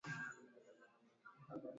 Hii inafanyika kwa kila kikundi cha Wamasai